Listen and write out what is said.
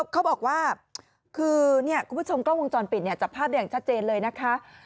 เขาบอกว่าคือคุณผู้ชมกล้องวงจรปิดจับภาพได้อย่างชัดเจนเลยนะคะ